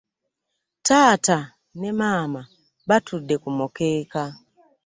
Taata ne Maama batudde ku mukeeka.